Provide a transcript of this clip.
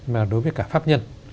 mà đối với cả pháp nhân